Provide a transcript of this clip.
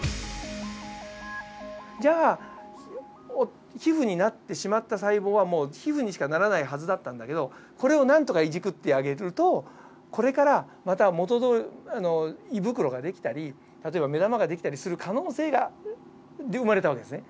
じゃあ皮膚になってしまった細胞はもう皮膚にしかならないはずだったんだけどこれをなんとかいじくってあげるとこれからまた胃袋ができたり例えば目玉ができたりする可能性が生まれた訳ですね。